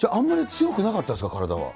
じゃあ、あんまり強くなかったんですか？